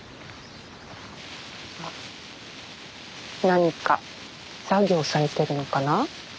何か作業されてるのかな？